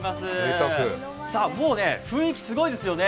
もう雰囲気すごいですよね。